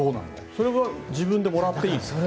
それは自分でもらっていいんですか？